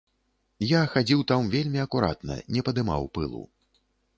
Я хадзіў там вельмі акуратна, не падымаў пылу.